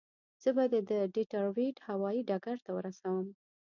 زه به دې د ډیترویت هوایي ډګر ته ورسوم.